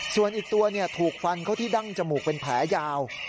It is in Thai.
ส่วนอีกตัวถูกฟันเข้าที่ดั้งจมูกเป็นแผลยาว